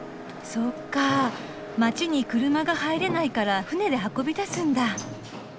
そっか街に車が入れないから船で運び出すんだ。